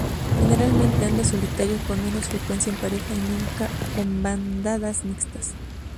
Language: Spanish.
Generalmente anda solitario, con menos frecuencia en pareja y nunca con bandadas mixtas.